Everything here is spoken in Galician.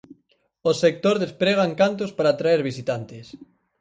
O sector desprega encantos para atraer visitantes.